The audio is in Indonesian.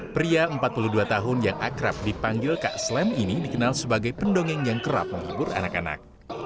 pria empat puluh dua tahun yang akrab dipanggil kak slem ini dikenal sebagai pendongeng yang kerap menghibur anak anak